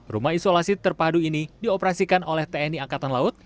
rumah isolasi terpadu ini dioperasikan oleh tni angkatan laut